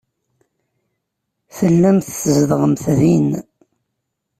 Tellamt tzedɣemt din.